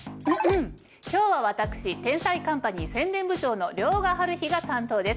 今日は私『天才‼カンパニー』宣伝部長の遼河はるひが担当です。